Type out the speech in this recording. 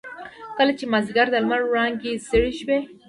کله چې مازيګر د لمر وړانګې زيړې شوې.